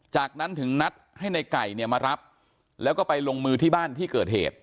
จากนั้นถึงนัดให้ในไก่เนี่ยมารับแล้วก็ไปลงมือที่บ้านที่เกิดเหตุ